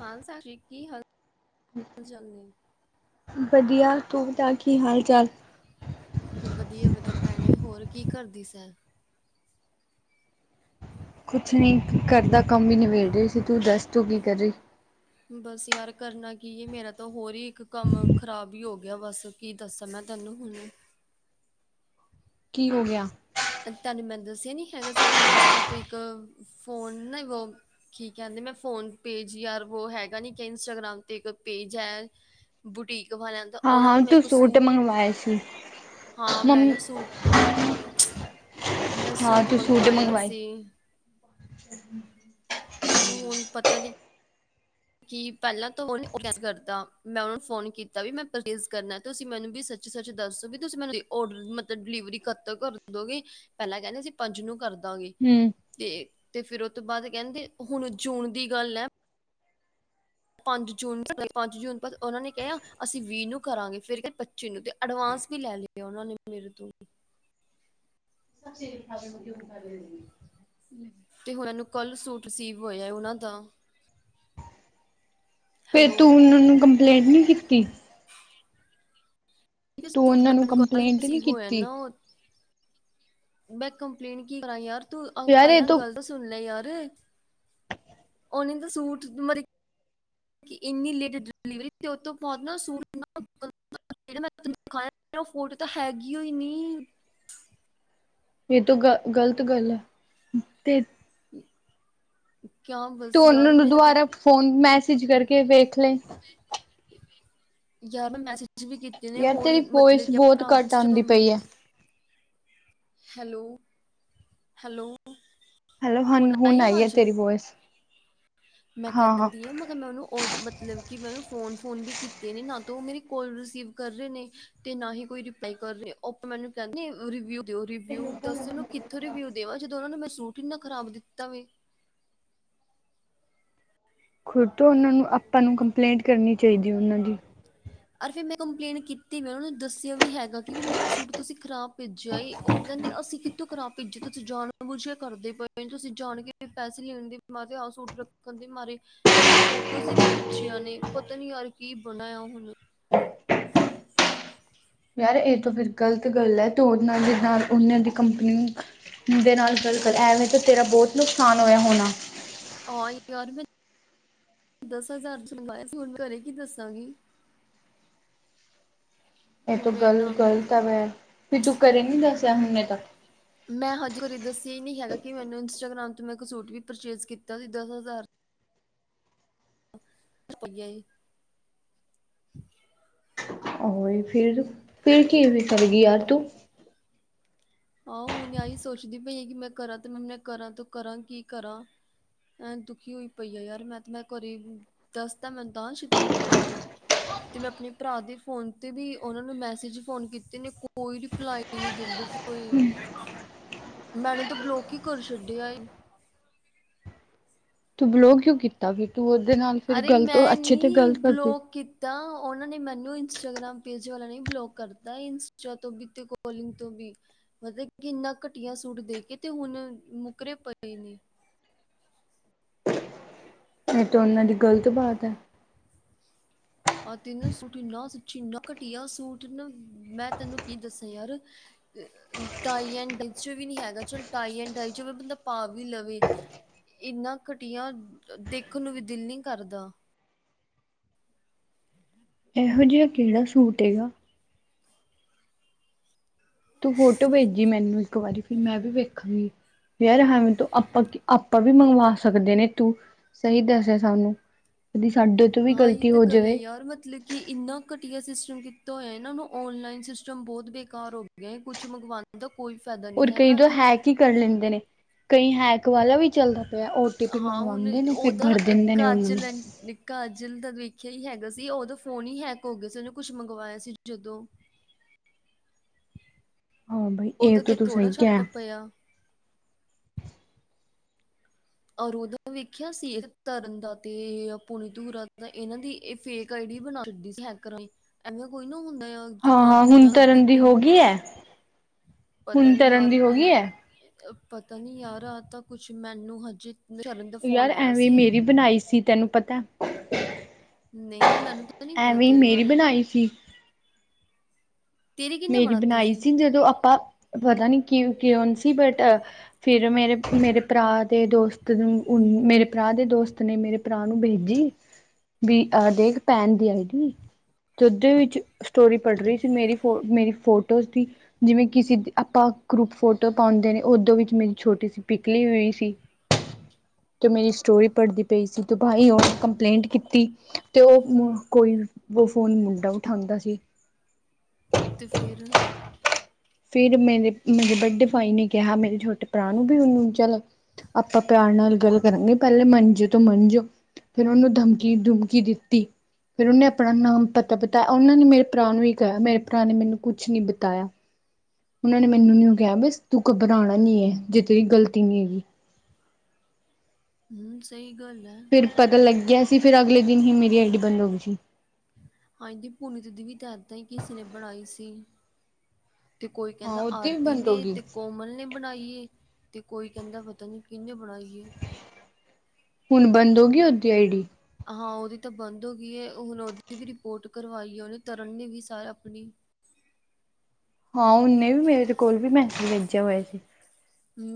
ਹਾਂ ਸਤਿ ਸ੍ਰੀ ਅਕਾਲ ਕੀ ਹਾਲ ਚਾਲ ਨੇ। ਵਧੀਆ ਤੂੰ ਦੱਸ ਕੀ ਹਾਲ ਚਾਲ। ਵਧੀਆ ਵਧੀਆ ਭੈਣੇ ਹੋਰ ਕੀ ਕਰਦੀ ਸੀ। ਕੁਛ ਨੀ ਕਰਦਾ ਕੰਮ ਵੀ ਨਿਬੇੜ ਰਹੀ ਸੀ ਤੂੰ ਦੱਸ ਤੂੰ ਕੀ ਕਰ ਰਹੀ। ਬਸ ਯਾਰ ਕਰਨਾ ਕੀ ਹੈ ਮੇਰਾ ਤਾਂ ਹੋਰ ਹੀ ਇੱਕ ਕੰਮ ਖ਼ਰਾਬ ਹੀ ਹੋ ਗਿਆ ਬਸ। ਕੀ ਦੱਸਾਂ ਮੈਂ ਤੈਨੂੰ ਹੁਣ। ਕੀ ਹੋ ਗਿਆ। ਤੁਹਾਨੂੰ ਮੈ ਦੱਸਿਆ ਨੀ ਹੈਗਾ ਸੀ ਕਿ ਮੈਂ ਇੰਸਟਾ ਤੋਂ ਇੱਕ ਫੋਨ ਨਾ ਠੀਕ ਹੈ ਕਹਿੰਦੇ ਮੈਂ ਫੋਨ ਪੇਜ ਯਾਰ ਉਹ ਹੈਗਾ ਨੀ ਕਿ ਇੰਸਟਾਗ੍ਰਾਮ ਤੇ ਇੱਕ ਪੇਜ ਹੈ। ਬੁਟੀਕ ਵਾਲਿਆ ਦਾ ਉਹਨਾਂ ਹਾਂ-ਹਾਂ ਤੋਂ ਮੈਂ ਤੂੰ ਇੱਕ ਸੂਟ ਮੰਗਵਾਏ ਸੀ। ਹਾਂ, ਮੈਂ ਮੰਮੀ ਨਾ ਸੂਟ, ਮੈਂ ਹਾਂ ਸੂਟ ਤੂੰ ਮੰਗਵਾਇਆ ਮੰਗਵਾਏ ਸੀ। [unintelligible] ਹੁਣ ਪਤਾ ਨੀ ਕੀ ਪਹਿਲਾਂ ਤੋਂ ਉਹਨੇ [unintelligible] ਕਰਤਾ, ਮੈਂ ਉਹਨਾ ਨੂੰ ਫੋਨ ਕੀਤਾ ਵੀ ਮੈਂ ਪ੍ਰੇਜ ਕਰਨਾ ਤੁਸੀਂ ਮੈਨੂੰ ਵੀ ਸੱਚੀ ਸੱਚ ਦੱਸੋ ਵੀ ਤੁਸੀਂ ਮੈਨੂੰ ਓਡਰ ਮਤਲਬ ਡਿਲੀਵਰੀ ਕਦ ਤੋਕ ਕਰ ਦੋਗੇ। ਪਹਿਲਾਂ ਕਹਿੰਦੇ ਸੀ ਪੰਜ ਨੂੰ ਕਰਦਾਂਗੀ ਹੂੰ। ਤੇ ਤੇ ਫਿਰ ਉਹ ਤੋਂ ਬਾਅਦ ਕਹਿੰਦੇ ਹੁਣ ਜੂਨ ਦੀ ਗੱਲ ਹੈ। ਪੰਜ ਜੂਨ, ਪੰਜ ਜੂਨ ਉਹਨਾਂ ਨੇ ਕਿਆ, ਅਸੀਂ ਵੀਹ ਨੂੰ ਕਰਾਂਗੇ ਫਿਰ ਕੈ ਪੱਚੀ ਨੂੰ ਤੇ ਅਡਵਾਂਸ ਵੀ ਲੈ ਲਿਆ ਉਹਨਾਂ ਨੇ ਮੇਰੇ ਤੋਂ। [unintelligible] ਤੇ ਉਹਨਾਂ ਨੂੰ ਕੱਲ੍ਹ ਸੂਟ ਰਿਸੀਵ ਹੋਇਆ ਉਹਨਾਂ ਦਾ। ਫਿਰ ਹੈਲੋ ਤੂੰ ਉਹਨਾਂ ਨੂੰ ਕੰਪਲੇਂਟ ਨੀ ਕੀਤੀ? [unintelligible] ਤੂੰ ਸੂਟ ਉਹਨਾਂ ਨੂੰ ਮੈਨੂੰ ਕੱਲ ਈ ਕੰਪਲੇਂਟ ਨਹੀਂ ਰਿਸੀਵ ਹੋਇਆ ਕੀਤੀ? ਨਾ ਉਹ। ਮੈਂ ਕੰਪਲੇਂਟ ਕੀ ਕਰਾਂ ਯਾਰ ਤੂੰ ਅ ਯਾਰ ਇਹ ਪਹਿਲਾਂ ਤੋਂ ਗਲ ਤਾ ਸੁਣ ਲੈ ਯਾਰ। ਉਹਨੇ ਤਾਂ ਸੂਟ ਮਰੀ ਕਿ ਇੰਨੀ ਲੇਟ ਡਿਲੀਵਰੀ ਤੇ ਓਤੋਂ ਬਾਦ ਨਾ ਸੂਟ [unintelligible] ਜੇੜਾ ਮੈਂ ਤੈਨੂੰ ਦਿਖਾਇਆ ਨਾ ਉਹ ਫੋਟੋ ਤਾਂ ਹੈਗੀਓ ਈ ਨੀ। ਇਹ ਤੋਂ ਗਲ ਗੱਲਤ ਗੱਲ ਐ ਤੇ ਕਿਆ ਤੂੰ ਬਸ ਉਹਨਾਂ ਯਾਰ ਨੂੰ ਮੇਰਾ ਤੇ ਦੁਬਾਰਾ ਫੋਨ, ਮੈਸ ਯਾਰ, ਮੈਂ ਮੈਸੇਜ ਜਿਵੇਂ ਕੀਤੇ ਨੇ ਯਾਰ ਹੋਰ, ਤੇਰੀ ਵੋਇਸ ਮਤਲਬ ਕਿ ਬਹੁਤ ਅਪਨਾ, ਸ ਘੱਟ ਆਉਂਦੀ ਜਦੋਂ ਵੀ ਪਈ ਹੈ। ਹੈਲੋ! ਹੈਲੋ! ਹੈਲੋ ਹਨ ਹੋਣਾ ਹੁਣ ਆਈ ਆ ਹੈ ਆਵਾਜ਼? ਤੇਰੀ ਵੋਇਸ। ਮੈਂ ਹਾਂ-ਹਾਂ ਕਹਿੰਦੀ ਆ ਮ ਮੈਂ ਉਹਨੂੰ ਮਤਲਬ ਕਿ, ਮੈਂ ਉਹਨੂੰ ਫੋਨ -ਫੋਨ ਵੀ ਕੀਤੇ ਨੇ, ਨਾ ਤਾਂ ਉਹ ਮੇਰੇ ਕਾਲ ਰਿਸੀਵ ਕਰ ਰਹੇ ਨੇ। ਤੇ ਨਾ ਹੀ ਕੋਈ ਰਿਪਲਾਈ ਕਰ ਰਹੀ ਏ, ਉਹ ਆਪ ਮੈਨੂੰ ਕਹਿੰਦੇ ਰਿਵੀਊ ਦਿਓ ਰਿਵੀਊ, ਦੱਸ ਇਹਨੂੰ ਕਿੱਥੋਂ ਰਿਵੀਊ ਦੇਵਾਂ‌ ਜਦ ਉਹਨਾਂ ਨੇ ਮੈਂ ਸੂਟ ਇੰਨਾ ਖਰਾਬ ਦਿੱਤਾ ਵੇਂ। ਖੁਦ ਤੋਂ, ਉਹਨਾਂ ਨੂੰ, ਆਪਾਂ ਨੂੰ ਕੰਪਲੇਂਟ ਕਰਨੀ ਚਾਹੀਦੀ ਉਹਨਾਂ ਦੀ। ਅਰ ਫਿਰ ਮੈਂ ਕੰਪਲੇਂਨ ਕੀਤੀ। ਮੈਂ ਉਹਨੂੰ ਦੱਸਿਆ ਵੀ ਹੈਗਾ, ਕਿ ਵੀ ਮੇਰਾ ਸੂਟ ਤੁਸੀਂ ਖ਼ਰਾਬ ਭੇਜਿਆ ਏ। ਉਹ ਕਹਿੰਦੇ, ਅਸੀਂ ਕਿੱਥੋਂ ਖਰਾਬ ਭੇਜੇ‌ ਤੁਸੀਂ ਜਾਣ-ਬੁਝ ਕੇ ਕਰਦੇ ਪਏ, ਤੁਸੀਂ ਜਾਣਕੇ ਪੈਸੇ ਲੈਣ ਦੇ ''ਮੈਂ ਤੇ ਆਹ ਸੂਟ ਰੱਖਣ ਦੀ ਮਾਰੀ ਮੈਨੂੰ ਓਹਨੁੰ ਫੋਟੋਜ਼ ਹੀ ਭੇਜੀਆਂ ਨੇ, ਪਤਾ ਨੀ ਯਾਰ ਕੀ ਬਣਾਇਆ ਹੁਣ। [inaudible] ਯਾਰ ਏ ਤੋ ਫਿਰ ਗ਼ਲਤ ਗੱਲ ਐ, ਤੇ ਉਹਨਾਂ ਦੇ ਨਾਲ ਉਹਨਾਂ ਦੀ ਕੰਪਨੀ ਦੇ ਨਾਲ ਗ਼ਲ ਕਰ, ਐਵੇਂ ਤਾ [unintelligible] ਆਂ ਯਾਰ, ਮੈਂ ਦਸ-ਹਜ਼ਾਰ'ਚ ਮੰਗਾਇਆ ਸੀ, ਹੁਣ ਘਰੇ ਕੀ ਦੱਸਾਂਗੀ? ਇਹ ਹੁਣ ਤੋ ਮੇਰੇ ਗਲ ਨਾਮ ਦੇ ਗਲਤ ਵੈ, ਫਿਰ ਤੂ ਘਰੇ ਨੀ ਦੱਸਿਆ ਹੁੱਨੇ ਤੱਕ? ਮੈਂ ਹਜੇ ਘਰੇ ਦੱਸਿਆ ਹੀ ਨਹੀਂ ਹੈਗਾ, ਕਿ ਮੈਨੂੰ ਇੰਸਟਾਗ੍ਰਾਮ ਤੋਂ ਮੈਂ ਇੱਕ ਸੂਟ ਵੀ ਪਰਚੇਜ ਕੀਤਾ ਸੀ, ਦਸ ਹਜ਼ਾਰ ਪਈਆ ਏ। ਓਹੀ ਫਿਰ, ਫਿਰ ਕੀਵੇਂ ਕਰੇਗੀ ਯਾਰ ਤੂ? ਆਹੋ ਹੁਨ ਏਆਈ ਸੋਚਦੀ ਪਈ ਆਂ ਕਿ ਮੈਂ ਕਰਾਂ ਤੇ ਮੈਂ ਕਰਾਂ ਤੋ ਕਰਾਂ ਕੀ ਕਰਾਂ। ਐਂ ਦੁਖੀ ਹੋਈ ਪਈ ਆ ਯਾਰ ਮੈਂ ਘਰੇ ਦਸ ਤਾ ਮੈਨੂੰ ਤਾਂ ਛਿੱਤਰ ਪੈਣਗੇ। ਤੇ, ਮੈਂ ਆਪਣੇ ਭਰਾ ਦੇ ਫੋਨ ਤੇ ਵੀ ਉਹਨਾਂ ਨੂੰ ਮੈਸੇਜ ਫੋਨ ਕੀਤੇ ਨੇ ਕੋਈ ਰਿਪਲਾਈ ਨਹੀਂ ਦਿੰਦੇ। ਕੋਈ, ਮੈਨੂੰ ਤਾਂ ਬਲੋਕ ਹੀ ਕਰ ਛੱਡਿਆ ਏ। ਤੂੰ ਬਲੋਕ ਕਿਉਂ ਕੀਤਾ ਫ ਤੂੰ ਉਹਦੇ ਨਾਲ ਫਿਰ ਗਲ ਤੋ ਅੱਛੇ ਤੇ ਗਲ ਕਰਦੀ। ਤਾਂ ਉਹਨਾਂ ਨੇ ਮੈਨੂੰ, ਇੰਸਟਾਗ੍ਰਾਮ ਪੇਜ ਵਾਲਾ ਨਹੀਂ ਬਲੋਕ ਕਰਤਾ, ਇੰਸਟਾ ਤੋਂ ਵੀ ਤੇ ਕੋਲਿੰਗ ਤੋਂ ਵੀ। ਮਤਲਬ ਇੰਨਾ ਘਟੀਆ ਸੂਟ ਦੇ ਕੇ ਤੇ, ਹੁਣ ਮੁੱਕਰੇ ਪਏ ਨੇ, ਐ ਤ ਉਹਨਾਂ ਦੀ ਗ਼ਲਤ ਬਾਤ ਐ। [inaudible] ਆ ਤੈਨੂੰ ਸੂਟ ਇੰਨਾ ਸਚੀ ਨਾ ਘਟੀਆ ਸੂਟ ਨਾ, ਮੈਂ ਤੈਨੂੰ ਕੀ ਦੱਸਾਂ ਯਾਰ ਟਾਈ ਐਂਡ ਡਿਚ ਵੀ ਨਹੀਂ ਹੈਗਾ ਚੱਲ ਟਾਈ ਐਂਡ ਡਾਈ ਚ ਬੰਦਾ ਪਾ ਵੀ ਲਵੇ ਇੰਨਾ ਘਟੀਆ ਦੇਖਣ ਨੂੰ ਵੀ ਦਿਲ ਨੀ ਕਰਦਾ। ਹਮ [inaudible] [unintelligible] ਐਹੋ ਜਿਆ ਕੇਹੜਾ ਸੂਟ ਹੈਗਾ। ਤੂੰ ਫੋਟੋ ਭੇਜੀ, ਮੈਨੂੰ ਇੱਕ ਵਾਰੀ ਫਿਰ ਮੈਂ ਵੀ ਵੇਖਾਂਗੀ। ਯਾਰ ਹਵੇਂ ਤੂੰ ਆਪਾਂ ਕ ਆਪਾਂ ਵੀ ਮੰਗਵਾ ਸਕਦੇ ਨੇ ਤੂੰ ਸਹੀ ਦੱਸਿਆ ਸਾਨੂੰ। ਕਦੀ ਸਾਡੇ ਤੋਂ ਵੀ ਗ਼ਲਤੀ ਹੋ ਜਵੇ। ਹੋਰ ਮਤਲਬ ਕਿ ਇੰਨਾ ਘਟੀਆ ਸਿਸਟਮ ਕੀਤਾ ਓਇਐ ਨਾ ਮ ਔਨਲਾਈਨ ਸਿਸਟਮ ਬੌਤ ਬੇਕਾਰ ਹੋ ਗਿਐ ਕੁਛ ਮੰਗਵਾ ਦਾ ਕੋਈ ਫਾਇਦਾ ਔਰ ਨਹੀਂ ਕਈ ਹੈਗਾ ਤੋਂ ਹੈਕ ਹੀ ਕਰ ਲੈਂਦੇ ਨੇ, ਕਈ ਹੈਕ ਵਾਲਾ ਵੀ ਚੱਲਦਾ ਪਿਆ ਓ ਟੀ ਪੀ ਹਾਂ, ਹੁਣ ਮੰਗਵਾਉਂਦੇ ਨੇ ਫਿਰ ਉਹਦਾ ਭਰ ਦਿੰਦੇ ਨੇ ਉਹਨਾਂ ਘਜ ਨੂੰ। ਲੈ ਕਾਜਲ ਦਾ ਵੇਖਿਆ ਹੀ ਹੈਗਾ ਸੀ। ਉਦੋਂ ਫੋਨ ਹੀ ਹੈਕ ਹੋ ਗਿਆ ਸੀ। ਉਹਨੇ ਕੁਛ ਮੰਗਵਾਇਆ ਸੀ ਜਦੋਂ। ਹਾਂ ਬਾਈ ਇਹ ਉਦੋਂ, ਤਾਂ ਕੇ ਤੂੰ ਥੋੜ੍ਹਾ ਸਹੀ ਛਾਪਾ ਕਿਹਾ। ਪਿਆ। ਅਰ ੳਦੋਂ ਵੇਖਿਆ ਸੀ ਤਰਨ ਦਾ ਤੇ ਪੁਣੀ ਧਰਾ ਦਾ ਇਹਨਾਂ ਦੀ ਇਹ ਫੇਕ ਆਈ ਡੀ ਬਣਾਦੀ ਸੀ। ਹੈਕ ਕਰਾਂ ਦੀ ਐਵੇਂ ਕੋਈ ਨਾ ਹੁੰਦਾ ਆ। ਜਿੱਦਾਂ ਹਾਂ, ਹੁਣ ਦੁਨੀਆਂ ਕਰਦੀ ਤਰਨ ਦੀ ਪਈ ਹੋ ਏ। ਗਈ ਐ, ਪਤਾ ਹੁਣ ਨੀ ਤਰਨ ਯਾਰ ਦੀ ਹੋ ਕੀ ਗਈ ਐ ਪਤਾ ਨਹੀਂ ਯਾਰ ਆ ਤਾਂ ਕੁਛ ਮੈਨੂੰ ਹਜੇ ਸ਼ਰਨ ਦਾ ਯਾਰ, ਫੋਨ ਆਇਆ ਐਵੇਂ ਸੀ ਮੇਰੀ ਬਣਾਈ ਸੀ ਤੈਨੂੰ ਪਤੈ? ਨਈ ਮੈਨੂੰ ਤਾਂ ਨਈ ਪਤਾ ਐਵੇਂ ਤੇਰੇ ਮੇਰੀ ਬਾਰੇ ਬਣਾਈ ਸੀ। ਤੇਰੀ ਕਿਹਨੇ ਮੇਰੀ ਬਣਾਤੀ ਬਣਾਈ ਸੀ ਜਦੋਂ ਆਪਾਂ ਪਤਾ ਨੀ ਕਿ ਕਿਉਂਨ ਸੀ ਬਟ ਫਿਰ ਮੇਰੇ ਮੇਰੇ ਭਰਾ ਤੇ ਦੋਸਤ ਨੂੰ ਉਹਨੁੰ ਮੇਰੇ ਭਰਾ ਦੇ ਦੋਸਤ ਨੇ, ਮੇਰੇ ਭਰਾ ਨੂੰ ਭੇਜੀ। ਵੀ ਆ ਦੇਖ ਭੈਣ ਦੀ ਆਈ ਡੀ, ਤੇ ਓਦੇ ਵਿੱਚ ਸਟੋਰੀ ਪੜ ਰਈ ਸੀ ਮੇਰੀ ਫੋ ਮੇਰੀ ਫੋਟੋਜ਼ ਦੀ ਜਿਵੇਂ ਕਿਸੀ ਦੀ ਅਪਾਂ ਗਰੁੱਪ ਫੋਟੋ ਪਾਉਂਦੇ ਨੇ, ਓਦੋਂ ਵਿੱਚ ਮੇਰੀ ਛੋਟੀ ਸੀ ਪਿਕ ਲੀ ਹੋਈ ਸੀ। [inaudible] ਤੇ ਮੇਰੀ ਸਟੋਰੀ ਪੜਦੀ ਪਈ ਸੀ ਤੇ ਭਾਈ ਉਹਨੇ ਕੰਪਲੇਂਟ ਕੀਤੀ। ਤੇ ਉਹ ਕੋਈ ਉਹ ਫੋਨ ਮੁੰਡਾ ਉਠਾਂਦਾ ਸੀ। ਤੇ ਫੇਰ ਫਿਰ ਮੇਰੇ ਮੇਰੇ ਵੱਡੇ ਭਾਈ ਨੇ ਕਿਹਾ ਮੇਰੇ ਛੋਟੇ ਭਰਾ ਨੂੰ ਵੀ ਉਹਨੂੰ ਚਲ ਆਪਾਂ ਪਿਆਰ ਨਾਲ ਗੱਲ ਕਰਾਂਗੇ ਪਹਿਲੇ, ਮਨਜੇ ਤੋਂ ਮਨਜੋ ਫਿਰ ਉਹਨੂੰ ਧਮਕੀ ਧੁਮਕੀ ਦਿੱਤੀ। ਫਿਰ ਉਹਨੇ ਅਪਣਾ ਨਾਮ, ਪਤਾ ਬਤਾਇਆ ਉਹਨਾਂ ਨੇ ਮੇਰੇ ਭਰਾ ਨੂੰ ਹੀ ਕਿਹਾ, ਮੇਰੇ ਭਰਾ ਨੇ ਮੈਨੂੰ ਕੁਛ ਨਹੀਂ ਬਤਾਇਆ। ਉਹਨਾਂ ਨੇ ਮੈਨੂੰ ਨਯੁ ਕਿਆ ਬਸ ਤੂੰ ਘੱਬਰਾਣਾ ਨੀ ਐ ਜੇ ਤੇਰੀ ਗਲਤੀ ਨੀ ਹੈਗੀ। ਹੂੰ, ਸਹੀ ਗੱਲ ਐ। ਫਿਰ ਪਤਾ ਲੱਗ ਗਿਆ ਸੀ ਫਿਰ ਅਗਲੇ ਦਿਨ ਈ ਮੇਰੀ ਆਈਡੀ ਬੰਦ ਹੋ ਗਈ ਸੀ। ਆਏਂਦੀ ਪੂਨਿਤ ਦੀ ਵੀ ਦਦਾਈ ਕਿਸੀ ਨੇ ਬਣਾਈ ਸੀ। ਤੇ ਕੋਈ ਹਾਂ ਕੈਂਦਾ ਉਹਦੀ ਵੀ ਆਰਤੀ ਬੰਦ ਹੋ ਨੇ ਗਈ ਤੇ ਕੋਮਲ ਨੇ ਬਣਾਈਏ, ਤੇ ਕੋਈ ਕੈਂਦਾ ਪਤਾ ਨੀ ਕਿੰਨੇ ਬਣਾਈਏ। ਹੁਣ ਬੰਦ ਹੋ ਗਈ ਓੱਦੀ ਆਈ ਡੀ। ਹਾਂ, ਉਹਦੀ ਤਾਂ ਬੰਦ ਹੋ ਗਈ ਐ, ਹੁਣ ਉਹਦੀ ਵੀ ਰਿਪੋਰਟ ਕਰਵਾਈ ਐ ਉਹਨੇ, ਤਰਨ ਨੇ ਵੀ ਸਾਰ ਆਪਣੀ। ਹਾਂ, ਉਹਨੇ ਵੀ ਮੇਰੇ ਕੋਲ ਵੀ ਮੈਸੇਜ ਭੇਜਿਆ ਹੋਇਆ ਸੀ।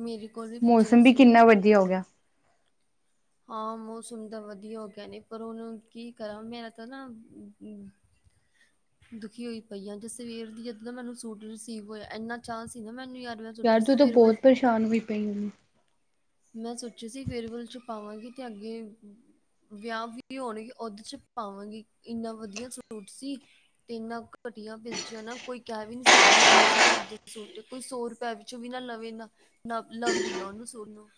ਮੇਰੇ ਕੋਲ ਵੀ ਪੁੱਛਿਆ ਸੀ। ਵਦੀਆ ਹੋ ਗਿਆ। ਆਂ, ਮੌਸਮ ਦਾ ਵਧੀਆ ਹੋ ਗਿਆ ਨੇ ਪਰ ਉਹਨੂੰ ਕੀ ਕਰਾਂ ਮੇਰਾ ਤਾਂ ਨਾ [inaudible] ਦੁਖੀ ਹੋਈ ਪਈ ਆ, ਤੇ ਸਵੇਰ ਦੀ ਜਦੋਂ ਦਾ ਮੈਨੂੰ ਸੂਟ ਰਿਸੀਵ ਹੋਇਆ, ਇੰਨਾ ਚਾਂ ਸੀ ਨਾ ਮੈਨੂੰ ਯਾਰ ਮੈਂ ਸੋਚਯਾ ਸੀ ਫੇਰਵਲ ਛਾਨ ਵੀ ਪਈ ਉਹਦੀ। ਮੈਂ ਸੋਚਿਆ ਸੀ ਫੇਰਵਲ ਚ ਪਾਵਾਂਗੀ ਤੇ ਅੱਗੇ ਵਿਆਹ ਵੀ ਹੋਣਗੇ ਉਹਦੇ ਚ ਪਾਵਾਂਗੇ ਇੰਨਾ ਵਧੀਆ ਸੂਟ ਸੀ। ਤੇ ਇੰਨਾ ਘਟੀਆ ਭੇਜਿਆ ਨਾ ਕੋਈ ਕਹਿ ਵੀ ਨਹੀਂ ਸਕਦਾ ਕਿ ਦਸ ਹਜ਼ਾਰ ਦੇ ਸੂਟ ਕੋਈ ਸੌ ਰੁਪਿਆ ਵੀ ਕੁਛ ਵੀ ਨਾ ਨਵੇ ਨਾ ਨਵ ਨਵੀ ਨਾ ਉਹਨੂੰ ਸੂਟ ਨੂੰ।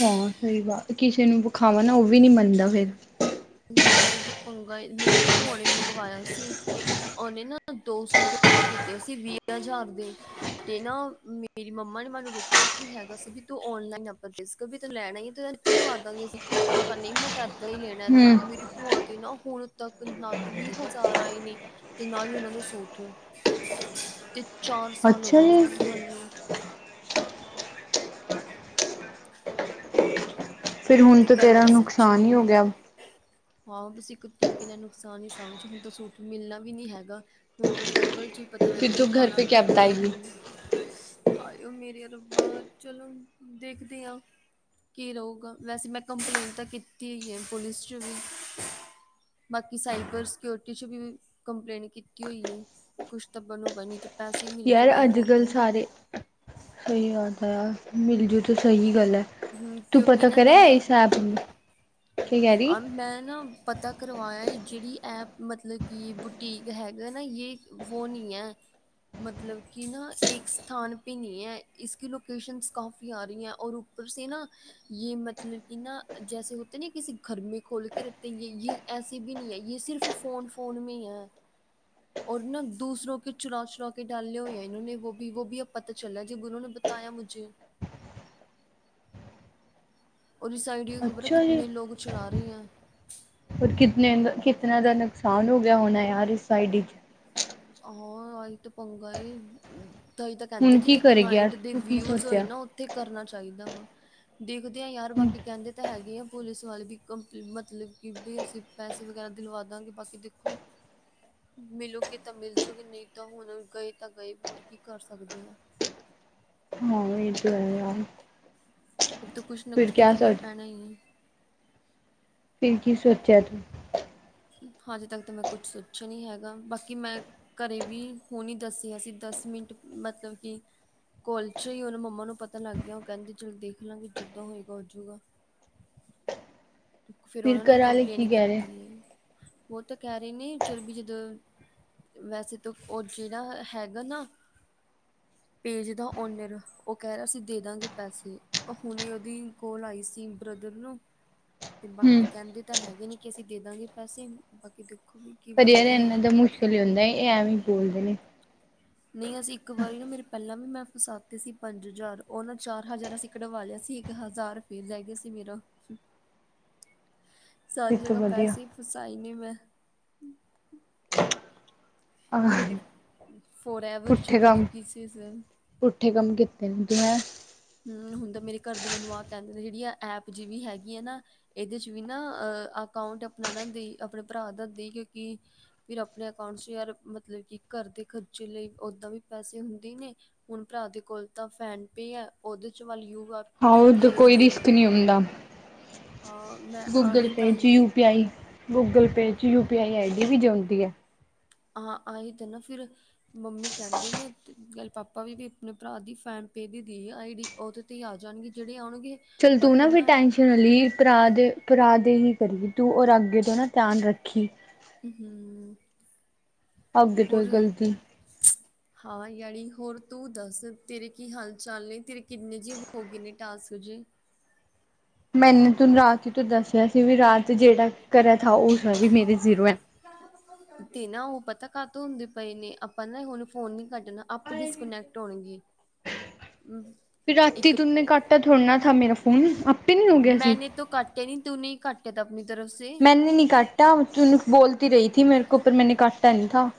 ਹਾਂ ਸਹੀ ਕਿਸੇ ਨੂੰ ਵਿਖਾਵਾਂ ਨਾ ਉਹ ਵੀ ਨਹੀਂ ਮੰਨਦਾ ਫਿਰ। ਨਾ ਇਹ ਤਾਂ ਪੰਗਾ ਐ। ਮੇਰੀ ਨਾ ਭੂਆ ਨੇ ਮੰਗਵਾਇਆ ਸੀ। ਉਹਨੇ ਨਾ ਦੋ ਸੂਟ ਆਰਡਰ ਕੀਤੇ ਸੀ ਵੀਹ ਹਜ਼ਾਰ ਦੇ ਤੇ ਨਾ ਮੇਰੀ ਮੰਮਾ ਨੇ ਮੈਨੂੰ ਰੋਕਿਆ ਵੀ ਹੈਗਾ ਸੀ ਵੀ ਤੂੰ ਓਨਲਾਈਨ ਆਪਾਂ ਰਿਸਕ ਵੀ ਤੇ ਲੈਣਾ ਤੇ ਇੱਥੇ ਦਵਾ ਦਾਂਗੇ ਅਸੀਂ। ਮੈਂ ਕਿਹਾ ਨਹੀਂ ਮੈਂ ਤਾਂ ਇੱਦਾਂ ਹੀ ਲੈਣਾ ਇਦਾਂ ਹੂੰ ਤੇ ਮੇਰੀ ਭੂਆ ਦੇ ਨਾ ਹੁਣ ਤੱਕ ਨਾ ਤਾਂ ਵੀਹ ਹਜ਼ਾਰ ਆਏ ਨੇ ਤੇ ਨਾ ਹੀ ਉਹਨਾਂ ਨੂੰ ਸੂਟ। ਤੇ ਚਾਰ ਸਾਲ ਹੋ ਅੱਛਾ ਗਏ ਨੇ ਇਸ ਜੀ ਗੱਲ ਨੂੰ। ਫਿਰ ਹੁਣ ਤੇ ਤਾਂ ਗੱਲ ਤੇਰਾ ਵੀ ਸੱਚੀ ਨੁਕਸਾਨ ਹੀ ਹੋ ਗਿਆ। ਹੈ। ਹਾਂ ਬਸ ਇੱਕ ਤਰੀਕੇ ਨਾਲ ਨੁਕਸਾਨ ਹੀ ਸਮਝੋ ਹੁਣ ਤਾਂ ਸੂਟ ਮਿਲਣਾ ਵੀ ਨਹੀਂ ਹੈਗਾ। ਹੁਣ ਤਾਂ ਫਿਰ ਵੱਲ ਜੀ ਪਤਾ ਨਹੀਂ ਕੀ ਪਾਉਣਾ ਪੈਣਾ ਆ ਹੁਣ। ਹਾਏ ਉਹ ਮੇਰਿਆ ਰੱਬਾ ਚਲੋ ਦੇਖਦੇ ਹਾਂ। ਕੀ ਲਊਗਾ ਵੈਸੇ ਮੈਂ ਕੰਪਲੇਂਟ ਤਾਂ ਕੀਤੀ ਹੀ ਹੈ ਪੁਲਿਸ ਚ ਵੀ। ਬਾਕੀ ਸਾਈਬਰ ਸਿਕਿਓਰਿਟੀ ਚ ਵੀ ਕੰਪਲੇਟ ਕੀਤੀ ਹੋਈ ਹੈ। ਕੁਛ ਤਾਂ ਬਣੂਗਾ ਨਹੀਂ ਤੇ ਯਾਰ ਅੱਜ ਕੱਲ ਸਾਰੇ, ਆਦਾ ਮਿਲ ਜੂ ਤੇ ਸਹੀ ਗੱਲ ਹੈ। ਹੂੰ ਕਿਉਂਕਿ ਨਾ ਦਿਨ, ਔਰ ਮੈਂ ਨਾ ਪਤਾ ਕਰਵਾਇਆ ਐ ਜਿਹੜੀ ਇਹ ਮਤਲਬ ਕਿ ਬੁਟੀਕ ਹੈਗਾ ਨਾ ਯੇ ਵੋ ਨਹੀਂ ਹੈ। ਮਤਲਬ ਕੀ ਨਾ ਇੱਕ ਸਥਾਨ ਪੇ ਨਹੀਂ ਹੈ। ਇਸ ਕੀ ਲੋਕੇਸ਼ਨਸ ਕਾਫੀ ਆ ਰਹੀ ਹੈ ਔਰ ਉੱਪਰ ਸੇ ਨਾ, ਯੇ ਮਤਲਬ ਕੀ ਨਾ ਜੈਸੇ ਹੋਤੇ ਨਾ ਕਿਸੀੇ ਘਰ ਮੇ ਖੋਲ ਕੇ ਰਖਤੇ ਯੇ ਯੇ ਐਸੀ ਵੀ ਨਹੀਂ ਹੈ। ਯੇ ਸਿਰਫ਼ ਫੋਨ-ਫੋਨ ਮੇ ਹੀ ਹੈ। ਔਰ ਨਾ ਦੂਸਰੋ ਕੇ ਚੁਰਾ-ਚੁਰਾ ਕੇ ਡਾਲੇ ਹੋਏ ਹੈ। ਇਨ ਨੇ ਵੋ ਵੀ ਵੋ ਪਤਾ ਚਲਾ ਜਬ ਉਹ ਨੇ ਬਤਾਇਆ ਮੁਝੇ। ਔਰ ਸਾਈਡ ਖਬਰ ਹੈ ਕਿਤਨ ਲੋਕ ਚਲਾ ਰਹੇ ਹੈ। ਔਰ ਕਿਤਨੇ ਦਾ ਕਿਤਨਾ ਦਾ ਨੁਕਸਾਨ ਹੋ ਗਿਆ ਹੋਣਾ ਯਾਰ ਇਸ ਸਾਈਡ ਹਾਂ ਆਹੀ ਤੇ ਪੰਗਾ ਐ। ਤਾਂ ਇਹ ਤਾਂ ਕਹਿੰਦੇ ਹੁਣ ਕੀ ਜਿੱਥੇ ਕਰੇਗੀ ਯਾਰ ਕਲਾਇੰਟ ਦੇ ਤੂੰ ਕੀ ਵਿਊ ਹੋਏ ਸੋਚਿਆ? ਨਾ ਉੱਥੇ ਕਰਨਾ ਚਾਹੀਦਾ ਵਾ। ਦੇਖਦੇ ਹਾਂ ਯਾਰ ਬਾਕੀ ਕਹਿੰਦੇ ਤਾਂ ਹੈਗੇ ਆ। ਪੁਲਿਸ ਵਾਲੇ ਵੀ ਕੰਪ ਮਤਲਬ ਕਿ ਵੀ ਅਸੀਂ ਪੈਸੇ ਵਗੈਰਾ ਦਿਲਵਾ ਦਾਂਗੇ। ਬਾਕੀ ਦੇਖੋ, ਮਿਲੋਗੇ। ਤਾਂ ਮਿਲਜੂਗੀ ਨਹੀਂ ਤਾਂ ਹੁਣ ਗਏ ਤਾਂ ਗਏ, ਹੋਰ ਕੀ ਕਰ ਸਕਦੇ ਆ। [unintelligible] ਅਬ ਤਾਂ ਕੁਛ ਨਾ ਫਿਰ ਕੁਛ ਤਾਂ ਕਿਆ ਕਰਨਾ ਸੋਚ ਪੈਣਾ ਹੀ ਹੈ। ਫਿਰ ਕੀ ਸੋਚਿਆ ਤੂੰ? ਹਜੇ ਤੱਕ ਤਾਂ ਮੈਂ ਕੁਛ ਸੋਚਿਆ ਨਹੀਂ ਹੈਗਾ। ਬਾਕੀ ਮੈਂ ਘਰੇ ਵੀ ਹੁਣੇ ਦੱਸਿਆ ਸੀ। ਦਸ ਮਿੰਟ ਮਤਲਬ ਕਿ ਕੋਲ ਚ ਹੀ ਉਹਨੇ ਮੰਮਾ ਨੂੰ ਪਤਾ ਲੱਗ ਗਿਆ। ਉਹ ਕਹਿੰਦੇ ਚੱਲ ਦੇਖ ਲਾਂਗੇ, ਜਿੱਦਾਂ ਹੋਏਗਾ, ਹੋਜੂਗਾ। ਫੇਰ ਫਿਰ ਉਹਨਾਂ ਨੇ ਘਰ ਆਲੇ ਕੀ ਕੰਪਲੇਂਟ ਕਹਿ ਰਹੇ ਕੀਤੀ ਐ। ਉਹ ਤਾਂ ਕਹਿ ਰਹੇ ਨੇ ਚੱਲ ਵੀ ਜਦੋਂ ਵੈਸੇ ਤਾਂ ਉਹ ਜਿਹੜਾ, ਹੈਗਾ ਨਾ। ਪੇਜ ਦਾ ਓਨਰ ਉਹ ਕਹਿ ਰਿਹਾ ਅਸੀਂ ਦੇ ਦਾਂਗੇ ਪੈਸੇ। ਹੁਣੇ ਉਹਦੀ ਕੋਲ ਆਈ ਸੀ ਬ੍ਰਦਰ ਨੂੰ ਤੇ ਬਾਕੀ ਹੂੰ ਕਹਿੰਦੇ ਤਾਂ ਹੈਗੇ ਨੇ ਕਿ ਅਸੀਂ ਦੇ ਦਾਂਗੇ ਪੈਸੇ ਬਾਕੀ ਦੇਖੋ ਹੁਣ। ਪਰ ਯਾਰ ਇਹਨਾਂ ਦਾ ਮੁਸ਼ਕਿਲ ਹੀ ਹੁੰਦਾ ਹੈ। ਇਹ ਐਵੇਂ ਬੋਲਦੇ ਨੇ। ਨਹੀਂ ਅਸੀਂ ਇੱਕ ਵਾਰੀ ਨਾ ਮੇਰੇ ਪਹਿਲਾਂ ਵੀ ਮੈਂ ਫਸਾਤੇ ਸੀ। ਪੰਜ ਹਜ਼ਾਰ ਉਹ ਨਾ ਚਾਰ ਹਜ਼ਾਰ ਅਸੀਂ ਕਡਵਾ ਲਿਆ ਸੀ। ਇੱਕ ਹਜ਼ਾਰ ਫਿਰ ਰਹਿ ਗਿਆ ਸੀ ਮੇਰਾ। ਸਾਰੀ ਇਸ ਤੋਂ ਜਗ੍ਹਾ ਵਧੀਆ ਪੈਸੇ ਫਸਾਈ ਨੇ ਮੈਂ। ਆਹ ਕਦੀ ਫੋਰ ਐਵਰ ਚ, ਪੁੱਠੇ ਕਦੀ ਕੰਮ ਕਿਸੇ ਚ। ਪੁੱਠੇ ਕੰਮ ਕੀਤੇ ਨੇ, ਜਿਵੇ। ਹਮ, ਹੁਣ ਤਾਂ ਮੇਰੇ ਘਰ ਦੀ ਮੈਨੂੰ ਆਹ ਕਹਿੰਦੀ ਜਿਹੜੀ ਆ ਐਪ ਜਿਹੀ ਵੀ ਹੈਗੀ ਆ ਨਾ। ਇਹਦੇ ਚ ਵੀ ਨਾ ਅਹ, ਅਕਾਊਂਟ ਆਪਣਾ ਨਾ ਦੇ ਆਪਣੇ ਭਰਾ ਦਾ ਦੇ। ਕਿਉਂਕਿ ਫਿਰ ਆਪਣੇ ਅਕਾਊਂਟ ਚ' ਯਾਰ ਮਤਲਬ ਕਿ ਘਰ ਦੇ ਖ਼ਰਚੇ ਲਈ ਓਦਾਂ ਵੀ ਪੈਸੇ ਹੁੰਦੇ ਨੇ। ਹੁਣ ਭਰਾ ਦੇ ਕੋਲ ਤਾਂ ਫੋਨ ਪੇ ਹੈ। ਉਹਦੇ ਚ ਵੱਲ ਯੂ ਹਾਂ ਯੂ ਪੀ ਉਧਰ ਆਈ ਦੀ ਕੋਈ ਰਿਸਕ ਦੇਵਾਂਗੇ। ਨਹੀਂ ਹੁੰਦਾ ਹਾਂ। ਮੈਂ ਗੂਗਲ ਆਹੀ ਪੇ ਚ ਤਾਂਹੀ ਯੂਪੀਆਈ, ਗੂਗਲ ਪੇ ਚ ਯੂਪੀਆਈ ਆਈਡੀ ਵੀ ਜਾਂਦੀ ਹੈ। ਆਹ। ਆਏ ਤੇ ਨਾ ਫਿਰ ਮੰਮੀ ਕਹਿੰਦੇ ਨੇ ਅਤੇ ਕੱਲ ਪਾਪਾ ਵੀ ਵੀ ਆਪਣੇ ਭਰਾ [inaudible] ਪੇ ਦੀ ਦੀ ਆਈ ਡੀ। ਉਹਦੇ ਤੇ ਹੀ ਆ ਜਾਣਗੇ ਜਿਹੜੇ ਆਉਣਗੇ। ਚੱਲ ਤੂੰ ਨਾ ਫਿਰ ਟੈਂਸ਼ਨ ਸੁਨਲੀਰ ਭਰਾ ਦੇ, ਭਰਾ ਦੇ ਹੀ ਕਰੀ ਤੂੰ ਹੋਔਰ ਅੱਗੇ ਤੋਂ ਨਾ ਧਿਆਨ ਰੱਖੀ। ਹਮ। ਅੱਗੇ ਤੋਂ ਇਹ ਗਲਤੀ। [inaudible] ਹਾਂ ਯਾਨੀ, ਹੋਰ ਤੂੰ ਦੱਸ ਤੇਰੇ ਕੀ ਹਾਲ- ਚਾਲ ਨੇ। ਤੇਰੇ ਕਿੰਨੇ ਜੇਹੇ ਹੋ ਗਏ ਨੇ ਟਾਸਕ ਹਜੇ। ਮੈਨੇ ਤੁਹਾਨੂੰ ਰਾਤ ਹੀ ਤੋਂ ਦੱਸਿਆ ਸੀ ਵੀ ਰਾਤ ਜਿਹੜਾ ਕਰਾ ਥਾ। ਉਹ ਸ ਵੀ ਮੇਰੇ ਜ਼ੀਰੋ ਹੈ। ਤੇ ਨਾ ਉਹ ਪਤਾ ਕੱਤੋਂ ਹੁੰਦੇ ਪਏ ਨੇ ਆਪਾਂ ਨਾ ਹੁਣ ਫੋਨ ਨੀ ਕੱਢਣਾ। ਆਪੇ ਡਿਸਕਨੈਕਟ ਹੋਣਗੇ। ਫਿਰ ਰਾਤੀ ਇੱਕ ਤੂੰਨੇ ਕਾਟਾ ਥੋੜ੍ਹ ਨਾ ਥ ਮੇਰਾ ਫੋਨ, ਆਪੇ ਨੀ ਹੋ ਗਿਆ ਸੀ। ਤੂੰ ਕੱਟਿਆ ਨੀ ਤੂੰ ਨਹੀਂ ਕੱਟਿਆ ਤਾਂ ਆਪਣੀ ਤਰਫ ਮੈਂਨੇ ਨਹੀਂ ਕਾਟਾਨ ਬੋਲ ਰਹੀ ਥੀ ਮੇਰੇ ਕੋ ਪਰ ਮੈਂਨੇ ਕਾਟਾ ਨ ਨਹੀ ਥਾ।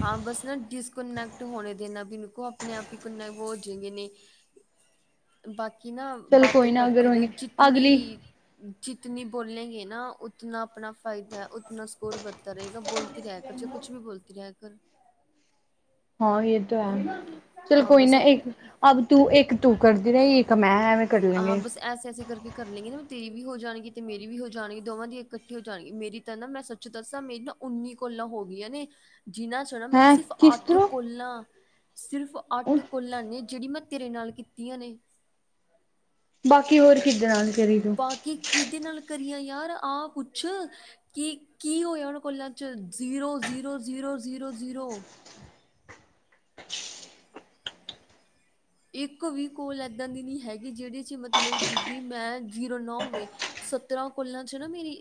ਹਾਂ ਬਸ ਨਾ ਡਿਸਕਨੈਕਟ ਹੋਣੇ ਨਾ ਦੇਨਾ ਬਨ ਕੋ ਆਪਣੇ ਆਪ ਹੀ ਕੋਨੈਕ ਹੋ ਜਾਗੇ ਨੇ। ਬਾਕੀ ਨਾ ਚਲ ਬਾਤੇ ਕੋਈ ਨਾ, ਅਗਰ ਕਰਤੀ ਰਹੇ ਹੋਏਗੀ ਅਗਲੀ, ਜਿਤਨੀ। ਜਿਤਨੀ ਬੋਲੇਗੇ ਨਾ ਉਤਨਾ ਆਪਣਾ ਫ਼ਾਇਦਾ ਹੈ ਉਤਨਾ ਸਕੋਰ ਬਨਦਾ ਰਹੇਗਾ ਬੋਲਦੀ ਰਹੇ। ਅੱਛਾ ਕੁੱਛ ਵੀ ਬੋਲਤੀ ਰਹੇ ਕਰਰ। ਹਾਂ ਇਹ ਤਾਂ ਹੈ। ਚਲੋ ਕੋਈ ਨਾ, ਇੱਕ ਅਬ ਤੂੰ, ਇੱਕ ਤੂੰ ਕਰਦੀ ਰਹਿ ਇੱਕ ਮੈਂ ਐਵੇਂ ਕਰ ਲੇ। ਹਾਂ ਬਸ ਐਸੇ ਐਸੇ ਕਰਕੇ ਕਰ ਲਵਾਂਗੇ ਨਾ ਤੇਰੀ ਵੀ ਹੋ ਜਾਣਗੀ ਤੇ ਮੇਰੀ ਵੀ ਹੋ ਜਾਣਗੀ ਦੋਵਾਂ ਦੀ ਇਕੱਠੀ ਹੋ ਜਾਣਗੀ ਮੇਰੀ ਤਾਂ ਨਾ ਮੈਂ ਸ ਦੱਸਾਂ ਮੇਰੀ ਨਾ ਉੱਨੀ ਕੋਲਾਂ ਹੋ ਗਈਆਂ ਨੇ ਜਿਨਾਂ ਚ ਨਾ ਮੈਨੂੰ ਹੈਂ ਸਿਰਫ ਕਿਸ ਅੱਠ ਤਰ੍ਹਾਂ, ਕੋਲਾਂ। ਸਿਰਫ਼ ਅੱਠ ਕੋਲਾਂ ਨੇ ਜਿਹੜੀ ਮੈਂ ਤੇਰੇ ਨਾਲ ਕੀਤੀਆਂ ਨੇ। ਬਾਕੀ ਹੋਰ ਕਿਹਦੇ ਨਾਲ? ਕਰੀ ਤੂੰ। ਬਾਕੀ ਕਿਹਦੇ ਨਾਲ ਕਰੀਆਂ ਯਾਰ ਆਹ ਪੁੱਛ? ਕੀ ਕੀ ਹੋਇਆ ਉਹਨਾਂ ਕੋਲਾਂ ਚ zero zero zero zero zero. ਇੱਕ ਵੀ ਕੋਲ ਇੱਦਾਂ ਦੀ ਨਹੀਂ ਹੈਗੀ ਜਿਹਡੇ 'ਚ ਮਤਲਬ ਕਿ ਵੀ ਮੈਂ ਜ਼ੀਰੋ ਨਾ ਹੋਵੇ। ਸਤਰਾਂ ਕਾਲਾਂ ਚ ਨਾ ਮੇਰੀ।